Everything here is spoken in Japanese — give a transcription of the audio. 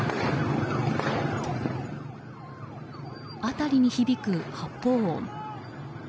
辺りに響く発砲音。